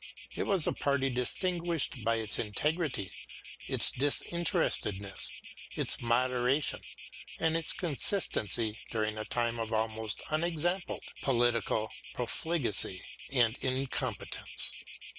It was a party distinguished by its integrity, its disinterestedness, its moderation, and its consistency during a time of almost unexampled political profligacy and incompetence.